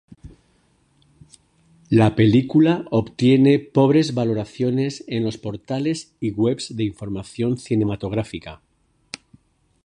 La película obtiene pobres valoraciones en los portales y webs de información cinematográfica.